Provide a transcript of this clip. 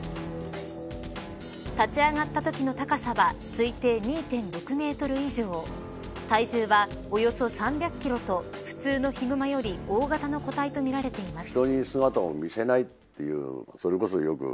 立ち上がったときの高さは推定２．６メートル以上体重はおよそ３００キロと普通のヒグマより大型の個体とみられています。